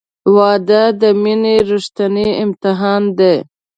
• واده د مینې ریښتینی امتحان دی.